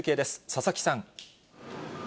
佐々木さん。